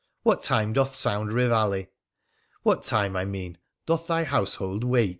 What time doth sound reveille — what time, I msan, doth thy household wake